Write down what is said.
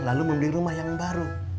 lalu membeli rumah yang baru